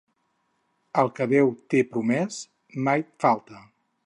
El que Déu té promès, mai falta.